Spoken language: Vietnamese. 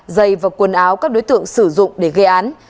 dây và quần áo các đối tượng sử dụng để gây án